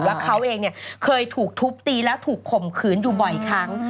ว่าเขาเองเนี่ยเคยถูกทุบตีแล้วถูกข่มขืนอยู่บ่อยครั้ง